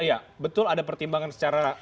iya betul ada pertimbangan secara